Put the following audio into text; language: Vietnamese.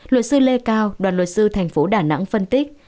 luật sư lê cao đoàn luật sư thành phố đà nẵng phân tích